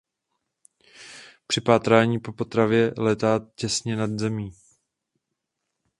Při pátrání po potravě létá těsně nad zemí.